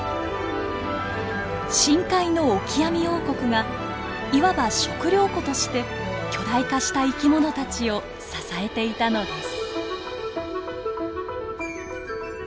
深海のオキアミ王国がいわば食料庫として巨大化した生き物たちを支えていたのです。